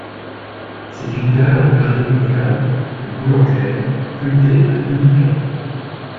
C'est une dalle en granite local, de couleur claire, feuilleté à deux micas.